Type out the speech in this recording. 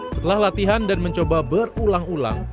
setelah latihan dan mencoba berulang ulang